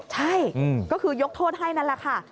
ใช่ก็คือยกโทษให้นั่นแหละค่ะ